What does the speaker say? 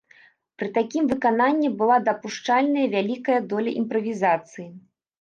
Пры такім выкананні была дапушчальная вялікая доля імправізацыі.